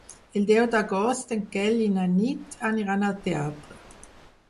El deu d'agost en Quel i na Nit aniran al teatre.